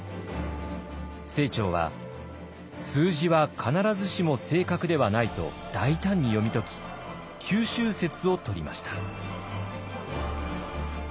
清張は数字は必ずしも正確ではないと大胆に読み解き九州説をとりました。